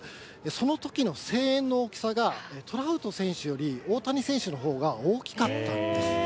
そのときの声援の大きさが、トラウト選手より大谷選手のほうが大きかったんです。